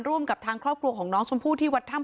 ร่วมกับทางครอบครัวของน้องชมพู่ที่วัดถ้ำ